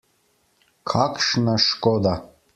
Kakšna škoda!